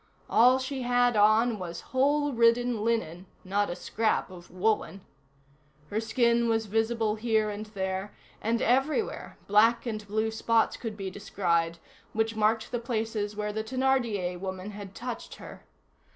All she had on was hole ridden linen, not a scrap of woollen. Her skin was visible here and there and everywhere black and blue spots could be descried, which marked the places where the Thénardier woman had touched her.